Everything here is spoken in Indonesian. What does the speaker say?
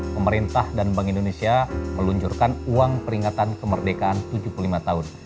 pemerintah dan bank indonesia meluncurkan uang peringatan kemerdekaan tujuh puluh lima tahun